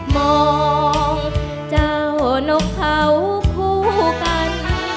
มองเจ้านกเขาคู่กัน